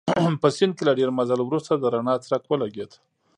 په سیند کې له ډېر مزل وروسته د رڼا څرک ولګېد.